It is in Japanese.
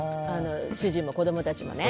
主人も子供たちもね。